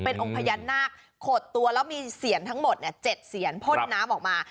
เป็นองค์พญานาคขดตัวแล้วมีเสียนทั้งหมด๗เสียนพ่นน้ำออกมา